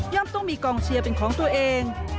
ต้องมีกองเชียร์เป็นของตัวเอง